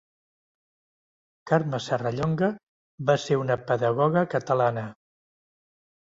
Carme Serrallonga va ser una pedagoga catalana.